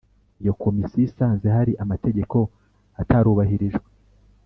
Iyo Komisiyo isanze hari amategeko atarubahirijwe